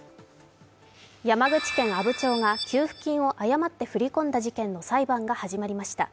山口県阿武町が給付金を誤って振り込んだ事件の裁判が始まりました。